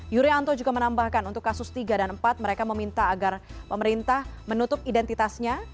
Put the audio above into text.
yuryanto juga menambahkan untuk kasus tiga dan empat mereka meminta agar pemerintah menutup identitasnya